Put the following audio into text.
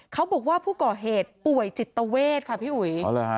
เขาบอกว่าผู้ก่อเหตุป่วยจิตเวทค่ะพี่อุ๋ย